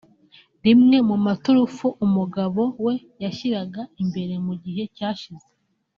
rimwe mu maturufu umugabo we yashyiraga imbere mu gihe cyashize